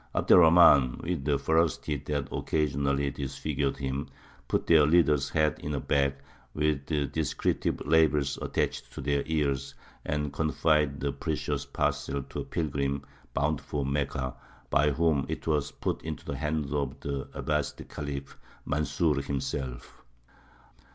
Abd er Rahmān, with the ferocity that occasionally disfigured him, put their leaders' heads in a bag, with descriptive labels attached to their ears, and confided the precious parcel to a pilgrim bound for Mekka, by whom it was put into the hands of the Abbāside Khalif Mansūr himself.